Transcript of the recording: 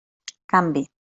Canvi.